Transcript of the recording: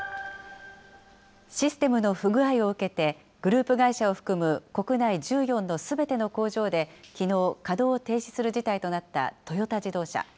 システムの不具合を受けて、グループ会社を含む国内１４のすべての工場できのう、稼働を停止する事態となったトヨタ自動車。